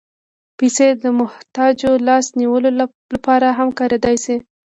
پېسې د محتاجو لاس نیولو لپاره هم کارېدای شي.